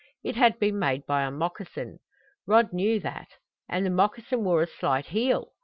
It had been made by a moccasin. Rod knew that. And the moccasin wore a slight heel!